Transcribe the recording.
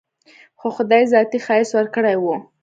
خو خداى ذاتي ښايست وركړى و.